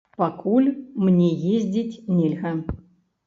Пакуль мне ездзіць нельга.